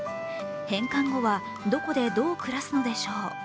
返還後はどこでどう暮らすのでしょう？